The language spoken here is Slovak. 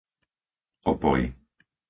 Opoj